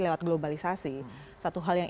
lewat globalisasi satu hal yang